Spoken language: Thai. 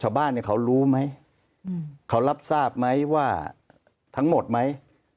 ชาวบ้านเนี่ยเขารู้ไหมเขารับทราบไหมว่าทั้งหมดไหม